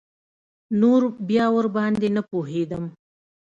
نور بيا ورباندې نه پوهېدم.